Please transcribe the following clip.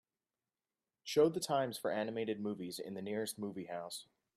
Show the times for animated movies in the nearest movie house